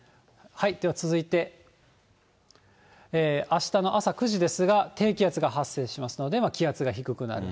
では続いて、あしたの朝９時ですが、低気圧が発生しますので、気圧が低くなる。